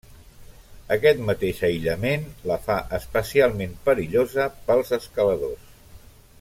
Aquest mateix aïllament la fa especialment perillosa pels escaladors.